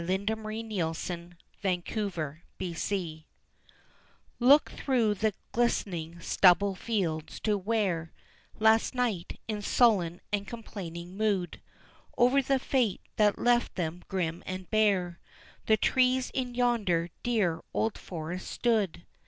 ] The Hoar Frost on the Wood Look through the glistening stubble fields to where Last night, in sullen and complaining mood, Over the fate that left them grim and bare, The trees in yonder dear old forest stood.